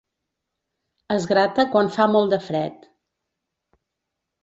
Es grata quan fa molt de fred.